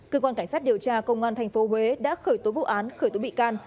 cơ quan cảnh sát điều tra công an tp huế đã khởi tố vụ án khởi tố bị can